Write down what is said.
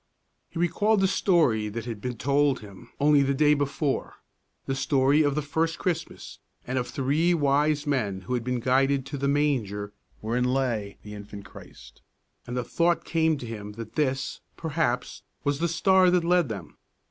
He recalled the story that had been told him only the day before, the story of the first Christmas and of three wise men who had been guided to the manger wherein lay the infant Christ; and the thought came to him that this, perhaps, was the star that led them.